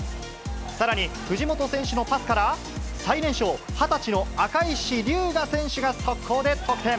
さらに、藤本選手のパスから、最年少、２０歳の赤石竜我選手が速攻で得点。